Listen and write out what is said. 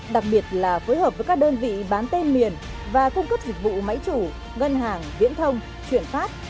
đặc biệt là phối hợp với các đơn vị bán tên miền và cung cấp dịch vụ máy chủ ngân hàng viễn thông chuyển phát